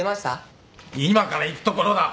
今から行くところだ。